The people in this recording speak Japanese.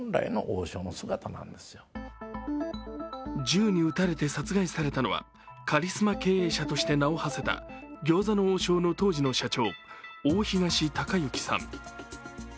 銃に撃たれて殺害されたのはカリスマ経営者として名をはせた餃子の王将の当時の社長大東隆行さん。